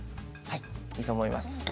いいと思います。